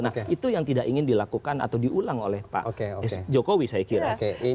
nah itu yang tidak ingin dilakukan atau diulang oleh pak jokowi saya kira